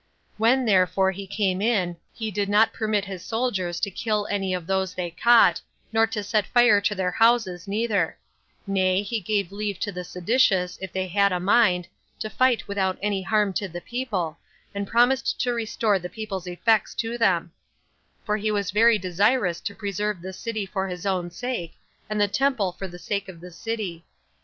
When therefore he came in, he did not permit his soldiers to kill any of those they caught, nor to set fire to their houses neither; nay, he gave leave to the seditious, if they had a mind, to fight without any harm to the people, and promised to restore the people's effects to them; for he was very desirous to preserve the city for his own sake, and the temple for the sake of the city.